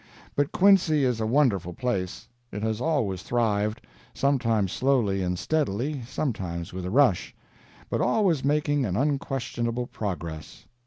But Quincy is a wonderful place. It has always thrived—sometimes slowly and steadily, sometimes with a rush—but always making an unquestionable progress.